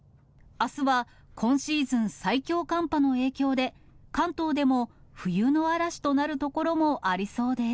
あすは今シーズン最強寒波の影響で、関東でも冬の嵐となる所もありそうです。